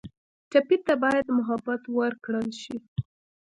ټپي ته باید محبت ورکړل شي.